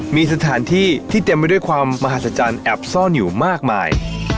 มีสถานที่ที่เต็มไปด้วยความมหัศจรรย์แอบซ่อนอยู่มากมาย